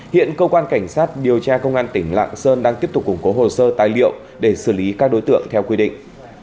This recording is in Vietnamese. hiện công an tỉnh lạng sơn đang tiếp tục củng cố hồ sơ tài liệu để xử lý các đối tượng theo quy định